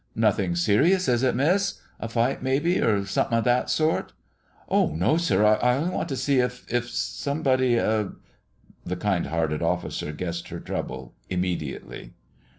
"Nothing serious, is it, miss? A fight, maybe, or something o' that sort?" "Oh, no, sir! I only want to see if if somebody" The kind hearted officer guessed her trouble immediately.